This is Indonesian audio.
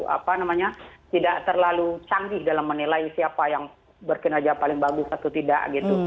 apa namanya tidak terlalu canggih dalam menilai siapa yang berkinerja paling bagus atau tidak gitu